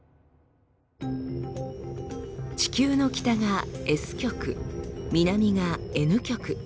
地球の北がＳ極南がＮ極。